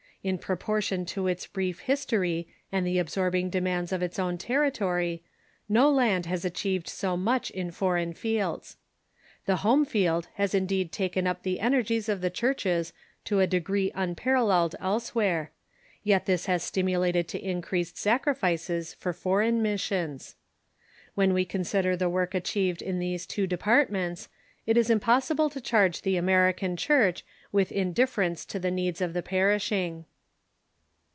In proportion to its brief his tory and the absorbing demands of its own terri ^^^ sTl't""^^'' ^*^^T' ^o land has achieved so much in foreign fiekls. The home field has indeed taken up the energies of the churches to a degree unparalleled elsewhere, yet this has stimulated to increased sacrifices for foreign mis sions. When we consider the work achieved in these two de partments, it is impossible to charge the American Church with indiiFerence to the needs of the perishing.